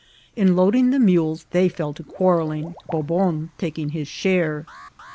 In loading the mules they fell to quarrelling, Bobon taking his share.